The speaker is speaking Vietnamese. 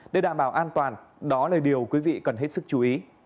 để đảm bảo an toàn đó là điều quý vị cần hết sức chú ý